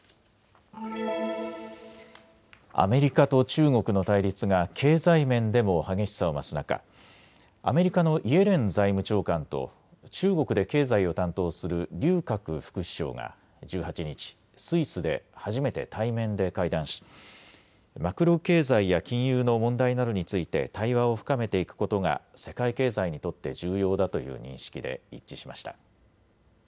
アメリカと中国の対立が経済面でも激しさを増す中、アメリカのイエレン財務長官と中国で経済を担当する劉鶴副首相が１８日、スイスで初めて対面で会談しマクロ経済や金融の問題などについて対話を深めていくことが世界経済にとって重要だという認識で一致しました。